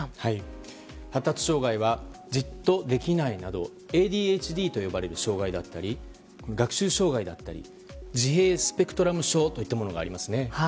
発達障害はじっとできないなどＡＤＨＤと呼ばれる障害だったり学習障害だったり自閉スペクトラム症といったものがありますね。